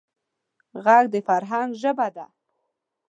غږ د فرهنګ ژبه ده